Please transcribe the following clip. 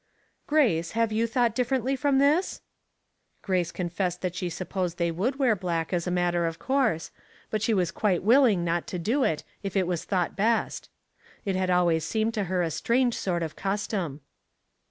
" Grace, have you thought differently from this ?" Grace cc^^essed that she supposed they would wear black as a matter of course, but she was quite willing not to do it if it was thought best. It had always seemed to her a strange sort of custom.